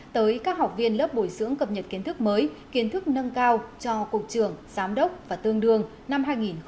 tới các học viên lớp bồi dưỡng cập nhật kiến thức mới kiến thức nâng cao cho cục trưởng giám đốc và tương đương năm hai nghìn một mươi tám